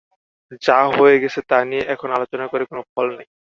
যা হয়ে গেছে তা নিয়ে এখন আলোচনা করে কোনো ফল নেই।